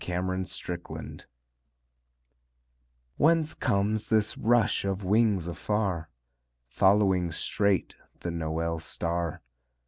_ CAROL OF THE BIRDS Whence comes this rush of wings afar. Following straight the Noël star?